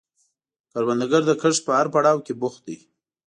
کروندګر د کښت په هر پړاو کې بوخت دی